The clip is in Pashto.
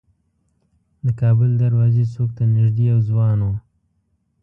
د کابل دروازې څوک ته نیژدې یو ځوان و.